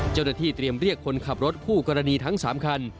เจ้าหน้าที่เตรียมเรียกคนขับรถคู่กรณีทั้ง๓คัน